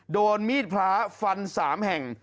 โดนมีดพลาฟันสามแห่ง